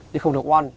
thì không được oan